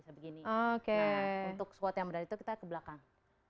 untuk squad yang berat itu kita ke belakang